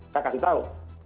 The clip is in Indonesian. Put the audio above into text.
saya kasih tau